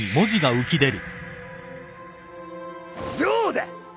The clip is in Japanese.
どうだ！